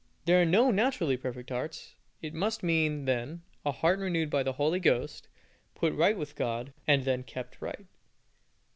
There are no naturally perfect hearts. It must mean, then, a heart renewed by the Holy Ghost, put right with God, and then kept right.